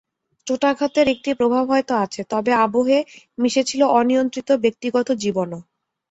চোটাঘাতের একটা প্রভাব হয়তো আছে, তবে আবহে মিশে ছিল অনিয়ন্ত্রিত ব্যক্তিগত জীবনও।